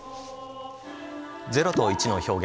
０と１の表現